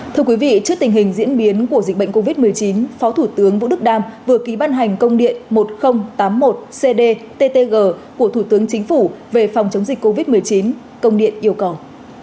thưa quý vị trước tình hình diễn biến của dịch bệnh covid một mươi chín phó thủ tướng vũ đức đam vừa ký ban hành công điện một nghìn tám mươi một cdttg của thủ tướng chính phủ về phòng chống dịch covid một mươi chín công điện yêu cầu